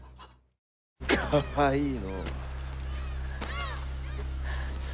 かわいいのう。